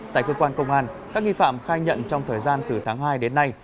tại cơ quan công an các nghi phạm khai nhận trong thời gian từ tháng hai đến nay